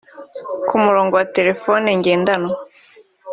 Ku murongo wa telephone ngendanwa